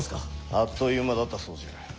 あっという間だったそうじゃ。